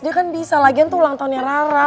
dia kan bisa lagian tuh ulang tahunnya rara